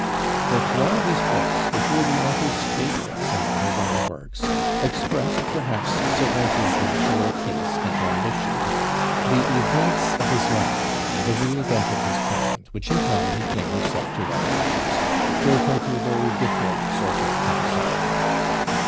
But while these books, which were the author's favorites among his own works, expressed perhaps Cervantes's natural taste and ambition, the events of his life and the real bent of his talent, which in time he came himself to recognize, drove him to a very different sort of composition.